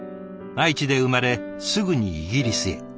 愛知で生まれすぐにイギリスへ。